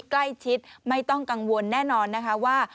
ใกล้ชิดไม่ต้องกังวลแน่นอนนะคะว่า